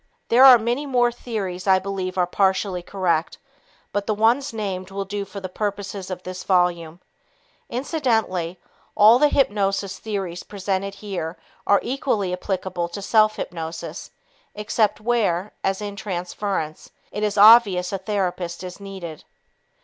There are many more theories I believe are partially correct, but the ones named will do for the purposes of this volume. Incidentally, all the hypnosis theories presented are equally applicable to self hypnosis except where, as in transference, it is obvious a therapist is needed.